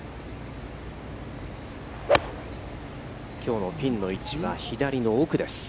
きょうのピンの位置は左の奥です。